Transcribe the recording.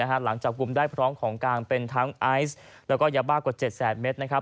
หลังจับกลุ่มได้พร้อมของกลางเป็นทั้งไอซ์และยาบาลกว่า๗๐๐เมตร